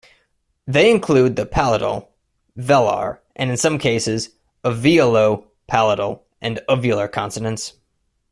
They include the palatal, velar and, in some cases, alveolo-palatal and uvular consonants.